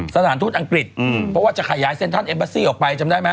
สถานทูตอังกฤษเพราะว่าจะขยายเซนทันเอ็มปาซี่ออกไป